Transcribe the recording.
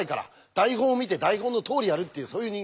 台本を見て台本のとおりやるってそういう人間ですから。